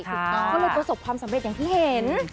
ก็เลยประสบความสำเร็จอย่างที่เห็น